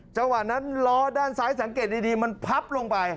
จังหวะนั้นล้อด้านซ้ายสังเกตดีมันพับลงไป